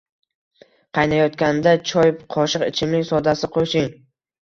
Qaynatayotganda choy qoshiq ichimlik sodasi qo'shing